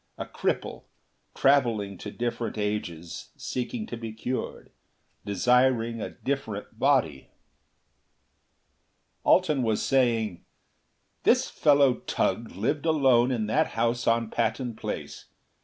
A cripple, traveling to different ages seeking to be cured. Desiring a different body.... Alten was saying, "This fellow Tugh lived alone in that house on Patton Place.